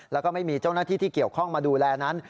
แล้วก็ไม่มีเจ้าหน้าที่ที่เกี่ยวข้องมาดูแลนั้น